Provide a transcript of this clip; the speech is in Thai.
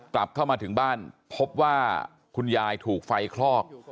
กลับเข้ามาถึงบ้านพบว่าคุณยายถูกไฟคลอก